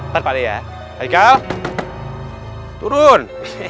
ternyata ada ya maikal turun